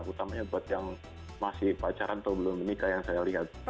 utamanya buat yang masih pacaran atau belum menikah yang saya lihat